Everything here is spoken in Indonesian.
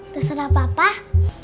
masak apa pak